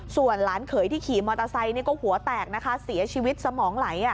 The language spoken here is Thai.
ส่วนหลานเขยที่ขี่มอเตอร์ไซค์ก็หัวแตกนะคะเสียชีวิตสมองไหล